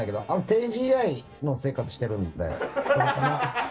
低ＧＩの生活してるんで。